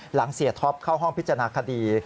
เสียท็อปเข้าห้องพิจารณาคดี